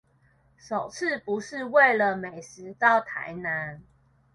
首次不是為了美食到台南